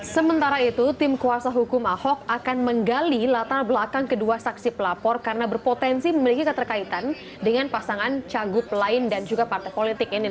sementara itu tim kuasa hukum ahok akan menggali latar belakang kedua saksi pelapor karena berpotensi memiliki keterkaitan dengan pasangan cagup lain dan juga partai politik ini